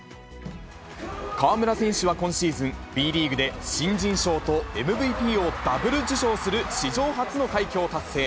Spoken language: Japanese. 河村選手は今シーズン、Ｂリーグで新人賞とＭＶＰをダブル受賞する史上初の快挙を達成。